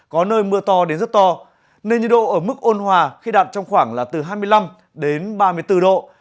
có nơi mưa to đến rất to nên nhiệt độ ở mức ôn hòa khi đạt trong khoảng là từ hai mươi năm đến ba mươi bốn độ